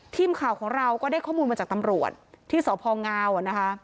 ทีมข่าวของเราก็ได้ข้อมูลมาจากตำรวจที่สพงนะคะ